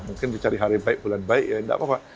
mungkin dicari hari baik bulan baik ya tidak apa apa